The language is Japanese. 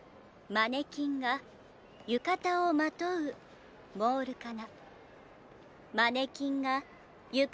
マネキンが浴衣をまとうモールかな。